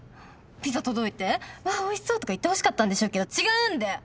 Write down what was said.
ピザ届いて「わあおいしそう」とか言ってほしかったんでしょうけど違うんで！